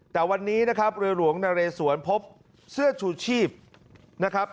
แต่วันนี้นะครับเรือหลวงนเรสวนพบเสื้อชูชีพนะครับ